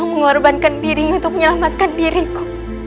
mengorbankan diri untuk menyelamatkan diriku